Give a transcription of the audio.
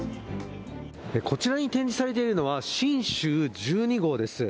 こちらに展示されているのは「神舟１２号」です。